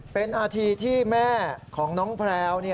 เป็นนาทีที่แม่ของน้องแพลว